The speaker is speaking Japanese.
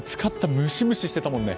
ムシムシしてたもんね。